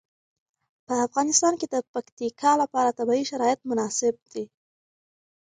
په افغانستان کې د پکتیکا لپاره طبیعي شرایط مناسب دي.